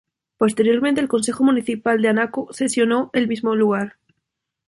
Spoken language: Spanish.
Posteriormente el Concejo Municipal de Anaco sesionó en el mismo lugar.